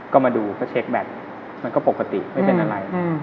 ก็มาดูก็เช็คแบตมันก็ปกติไม่เป็นอะไร